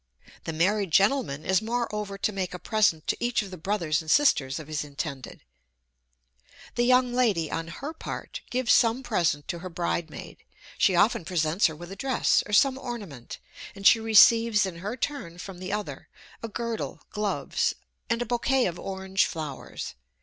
The married gentleman is moreover to make a present to each of the brothers and sisters of his intended. The young lady, on her part, gives some present to her bridemaid: she often presents her with a dress or some ornament, and she receives in her turn from the other, a girdle, gloves, and a bouquet of orange flowers.